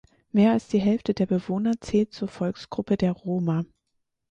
Mehr als die Hälfte der Bewohner zählt zur Volksgruppe der Roma.